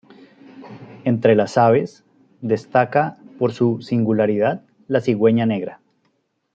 Entre las aves destaca por su singularidad la cigüeña negra.